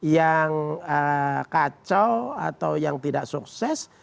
yang kacau atau yang tidak sukses